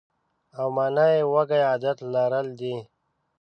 او مانا یې وږی عادت لرل دي.